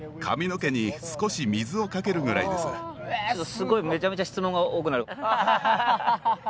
すごいめちゃめちゃ質問が多くなる。